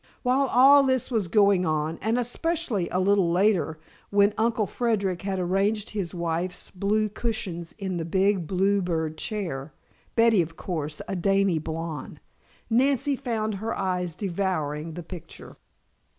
While all this was going on, and especially a little later when Uncle Frederic had arranged his wife's blue cushions in the big blue bird chair (Betty was, of course, a dainty blonde), Nancy found her eyes devouring the picture.